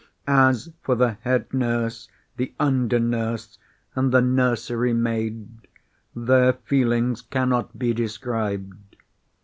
As for the head nurse, the under nurse, and the nursery maid, their feelings cannot be described.